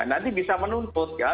nanti bisa menuntut ya